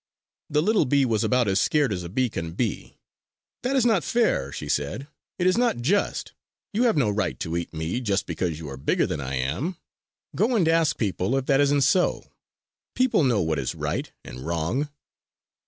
The little bee was about as scared as a bee can be. "That is not fair," she said. "It is not just! You have no right to eat me just because you are bigger than I am. Go and ask people if that isn't so! People know what is right and wrong!"